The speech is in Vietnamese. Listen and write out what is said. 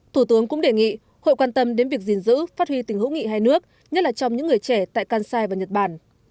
thủ tướng cũng đề nghị hội quan tâm đến việc gìn giữ phát huy tình hữu nghị hai nước nhất là trong những người trẻ tại kansai và nhật bản